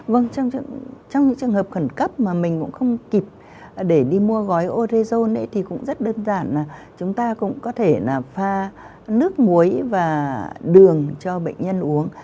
vâng trong những trường hợp khẩn cấp mà mình cũng không kịp để đi mua gói orezon thì cũng rất đơn giản là chúng ta cũng có thể là pha nước muối và đường cho bệnh nhân uống